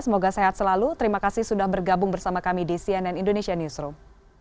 semoga sehat selalu terima kasih sudah bergabung bersama kami di cnn indonesia newsroom